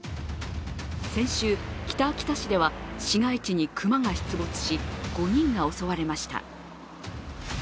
先週、北秋田市では市街地に熊が出没し、５人が襲われました。